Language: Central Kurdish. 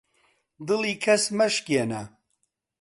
دڵی کەس مەشکێنە